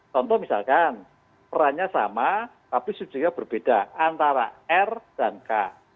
contoh misalkan perannya sama tapi subjeknya berbeda antara r dan k